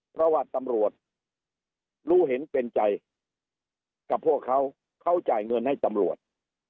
เพราะว่าตำรวจรู้เห็นเป็นใจกับพวกเขาเขาจ่ายเงินให้ตำรวจ